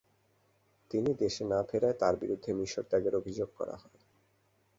তিনি দেশে না ফেরায় তার বিরুদ্ধে মিশর ত্যাগের অভিযোগ করা হয়।